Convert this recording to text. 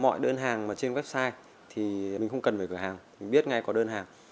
mọi đơn hàng mà trên website thì mình không cần phải cửa hàng mình biết ngay có đơn hàng